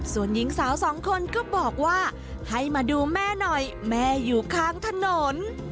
ส่วนหญิงสาวสองคนก็บอกว่าให้มาดูแม่หน่อยแม่อยู่ข้างถนน